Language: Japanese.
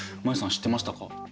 知ってましたか？